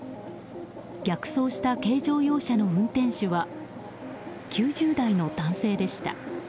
逆走した軽乗用車の運転手は９０代の男性でした。